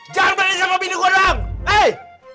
jangan balik sama bini gua doang hei